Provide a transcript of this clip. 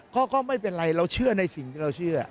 ก็ไม่เป็นไรเราเชื่อในสิ่งที่เราเชื่อ